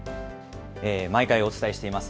毎回お伝えしています